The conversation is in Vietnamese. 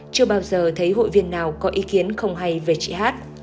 chưa bao giờ thấy hội viên nào có ý kiến không hay về chị hát